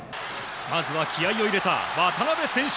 まずは気合を入れた、渡邊選手。